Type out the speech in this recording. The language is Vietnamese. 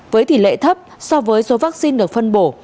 với tỷ lệ thấp so với số vaccine được phân bổ